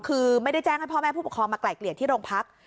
คือไม่ได้แจ้งให้พ่อแม่ผู้ปกครองมาไกล่เกลี่ยที่โรงพัก